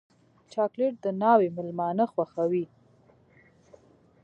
چاکلېټ د ناوې مېلمانه خوښوي.